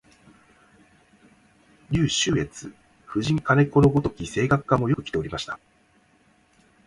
柳宗悦、夫人兼子のごとき声楽家もよくきておりました